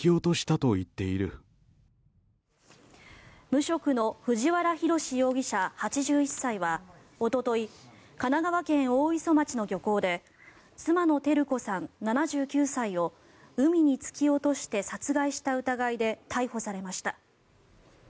無職の藤原宏容疑者、８１歳はおととい神奈川県大磯町の漁港で妻の照子さん、７９歳を海に突き落として殺害した疑いで逮捕されました。